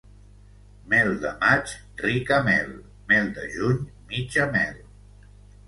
Mel de maig, rica mel; mel de juny, mitja mel.